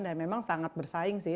dan memang sangat bersaing sih